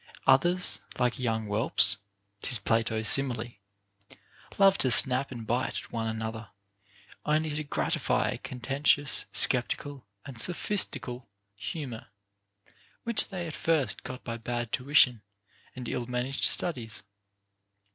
Others like young whelps ('tis Plato's simile) love to snap 456 OF MAN'S PROGRESS IN VIRTUE. and bite at one another, only to gratify a contentions, scep tical, and sophistical humor, which they at first got by bad tuition and ill managed studies.